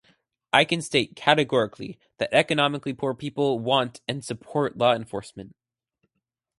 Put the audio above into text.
I can state categorically that economically poor people want and support law enforcement.